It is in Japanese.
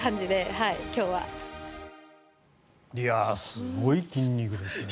すごい筋肉ですね。